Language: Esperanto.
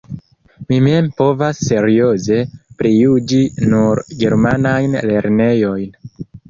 Mi mem povas serioze prijuĝi nur germanajn lernejojn.